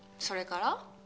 それから？